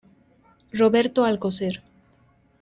Roberto Alcocer.